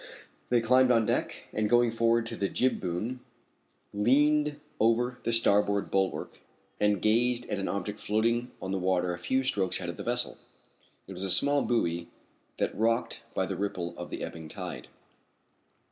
They climbed on deck and going forward to the jib boom, leaned over the starboard bulwark and gazed at an object that floated on the water a few strokes ahead of the vessel. It was a small buoy that was rocked by the ripple of the ebbing tide.